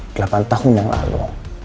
delapan tahun yang lalu